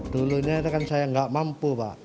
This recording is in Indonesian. dulunya itu kan saya nggak mampu pak